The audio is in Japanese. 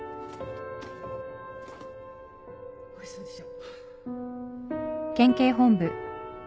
おいしそうでしょ？